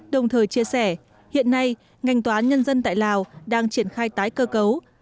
đồng thời chia sẻ hiện nay ngành tòa án nhân dân tại lào đang triển khai tái cơ cấu